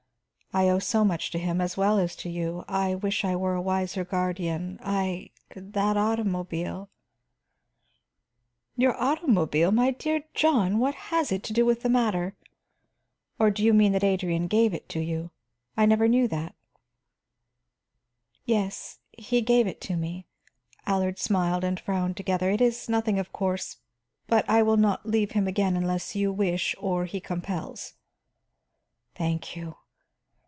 I owe so much to him, as well as to you. I wish I were a wiser guardian; I that automobile " "Your automobile! My dear John, what has it to do with the matter? Or do you mean that Adrian gave it to you? I never knew that." "Yes, he gave it to me," Allard smiled and frowned together. "It is nothing, of course. But I will not leave him again unless you wish or he compels." "Thank you.